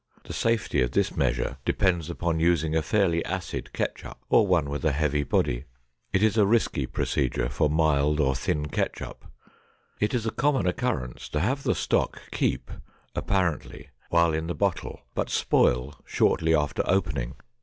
The safety of this measure depends upon using a fairly acid ketchup or one with a heavy body. It is a risky procedure for mild or thin ketchup. It is a common occurrence to have the stock keep apparently while in the bottle, but spoil shortly after opening.